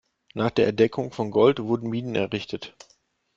Nach der Entdeckung von Gold wurden Minen errichtet.